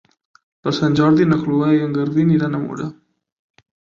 Per Sant Jordi na Cloè i en Garbí aniran a Mura.